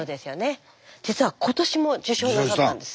実は今年も受賞なさったんです。